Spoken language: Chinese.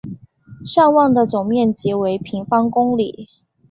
尚旺的总面积为平方公里。